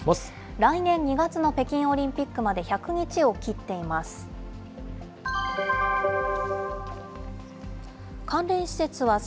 来年２月の北京オリンピックまで１００日を切っています。